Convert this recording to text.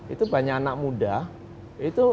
itu banyak anak muda itu